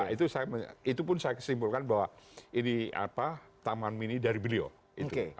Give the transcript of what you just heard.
itu saya itu pun saya kesimpulkan bahwa ini apa taman mini dari beliau